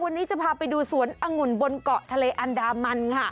วันนี้จะพาไปดูสวนองุ่นบนเกาะทะเลอันดามันค่ะ